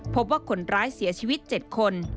พบว่าคนร้ายเสียชีวิต๗คน